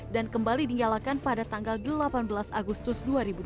dan kembali dinyalakan pada tanggal delapan belas agustus dua ribu dua puluh tiga